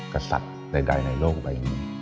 กษัตริย์ใดในโลกใบนี้